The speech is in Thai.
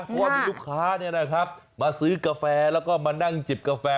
เพราะว่ามีลูกค้ามาซื้อกาแฟแล้วก็มานั่งจิบกาแฟ